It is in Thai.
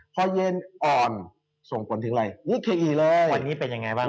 พอเยนอ่อนส่งผลถึงอะไรนิเวลาในอย่างนี้จะเป็นอย่างไรบ้าง